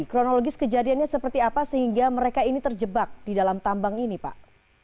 kronologis kejadiannya seperti apa sehingga mereka ini terjebak di dalam tambang ini pak